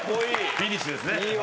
フィニッシュですね。